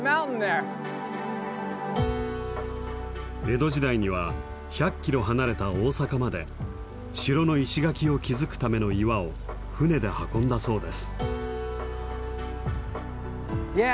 江戸時代には１００キロ離れた大阪まで城の石垣を築くための岩を船で運んだそうです。